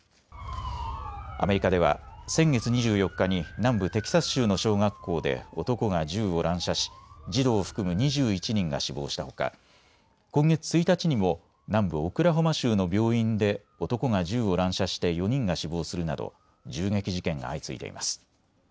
アメリカでは先月２４日に南部テキサス州の小学校で男が銃を乱射し児童を含む２１人が死亡したほか、今月１日にも南部オクラホマ州の病院で男が銃を乱射して４人が死亡するなど銃撃事件が相次いでいます。